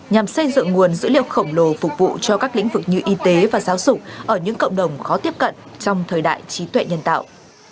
nhằm xây dựng nguồn dữ liệu khổng lồ phục vụ cho các lĩnh vực như y tế và giáo dục ở những cộng đồng khó tiếp cận trong thời đại trí tuệ nhân tạo